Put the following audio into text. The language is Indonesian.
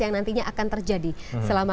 yang nantinya akan terjadi selama